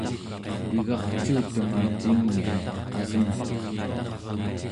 igarcuutema cingia asemtuq